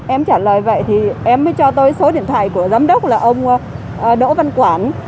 em trả lời vậy thì em mới cho tôi số điện thoại của giám đốc là ông đỗ văn quản